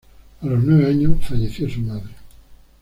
A los nueve años falleció su madre.